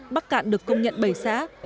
bắc cạn được công nhận bảy xã